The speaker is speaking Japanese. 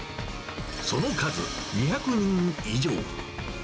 その数、２００人以上。